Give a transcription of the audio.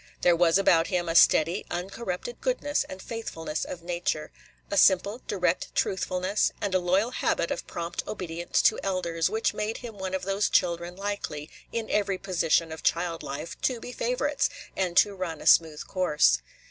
There was about him a steady, uncorrupted goodness and faithfulness of nature, a simple, direct truthfulness, and a loyal habit of prompt obedience to elders, which made him one of those children likely, in every position of child life, to be favorites, and to run a smooth course.